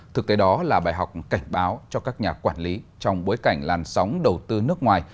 thực tế đó là bài học cảnh báo cho các nhà quản lý trong bối cảnh làn sóng đầu tư nước ngoài